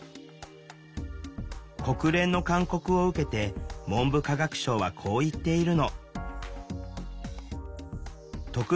国連の勧告を受けて文部科学省はこう言っているの。